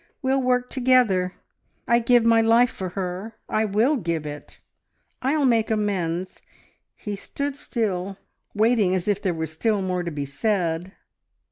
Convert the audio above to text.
We'll work together. I'd give my life for her ... I will give it! I'll make amends..." He stood still, waiting as if there were still more to be said.